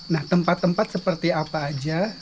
nah tempat tempat seperti apa aja